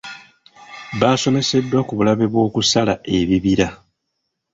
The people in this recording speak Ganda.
Baasomeseddwa ku bulabe bw'okusala ebibira.